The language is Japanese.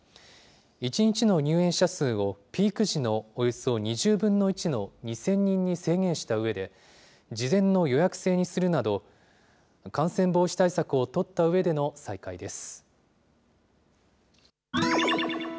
１日の入園者数をピーク時のおよそ２０分の１の２０００人に制限したうえで、事前の予約制にするなど、感染防止対策を取ったうえでの再開です。